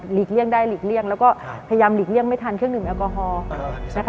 เลี่ยงได้หลีกเลี่ยงแล้วก็พยายามหลีกเลี่ยงไม่ทันเครื่องดื่มแอลกอฮอล์นะคะ